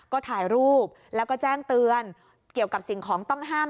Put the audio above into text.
ก็ถ่ายรูปแล้วก็แจ้งเตือนเกี่ยวกับสิ่งของต้องห้าม